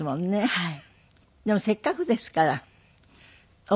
はい。